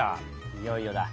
いよいよだ。